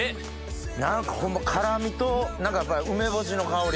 何かホンマ辛みとやっぱり梅干しの香り